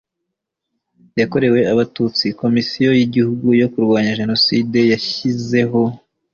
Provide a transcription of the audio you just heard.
yakorewe abatutsi komisiyo y igihugu yo kurwanya jenoside yashyizeho